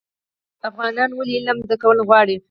افغانان ولې علم زده کول غواړي؟